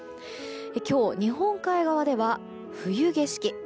今日、日本海側では冬景色。